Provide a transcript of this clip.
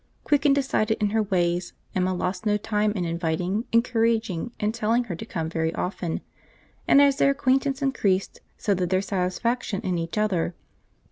Quick and decided in her ways, Emma lost no time in inviting, encouraging, and telling her to come very often; and as their acquaintance increased, so did their satisfaction in each other.